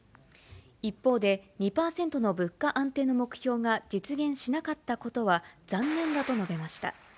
一方で、２％の物価安定の目標が実現しなかったことは残念だと述べました。